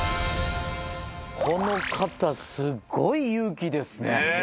この方すごい勇気ですね。